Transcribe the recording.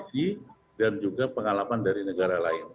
keuntungan dari negara negara lain